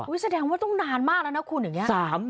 แสดงว่าต้องนานมากแล้วนะคุณอย่างนี้